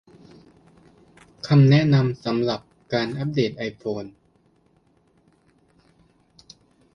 คำแนะนำสำหรับการอัปเดตไอโฟน